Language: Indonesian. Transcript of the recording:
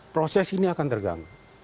proses ini akan terganggu